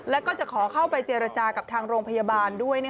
แล้วก็จะขอเข้าไปเจรจากับทางโรงพยาบาลด้วย